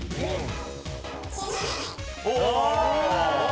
［お！］